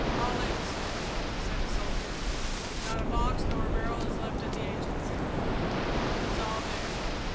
"All in, sir," said a soldier. "Not a box nor a barrel is left at the Agency. It's all there."